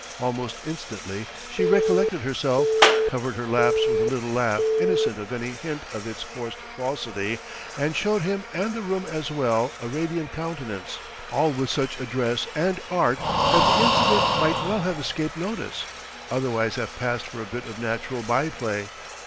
Almost instantly she recollected herself, covered her lapse with a little laugh innocent of any hint of its forced falsity, and showed him and the room as well a radiant countenance: all with such address and art that the incident might well have escaped notice, otherwise have passed for a bit of natural by play.